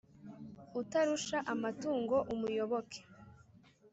utarusha amatungo umuyoboke,